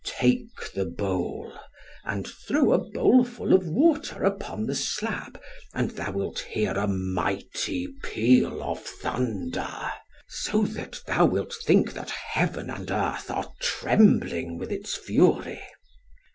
{21b} Take the bowl, and throw a bowlful of water upon the slab, and thou wilt hear a mighty peal of thunder; so that thou wilt think that heaven and earth are trembling with its fury.